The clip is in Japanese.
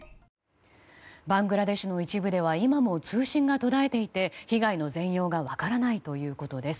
バングラデシュの一部では今も通信が途絶えていて被害の全容が分からないということです。